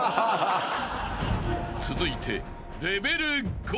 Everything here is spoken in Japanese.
［続いて］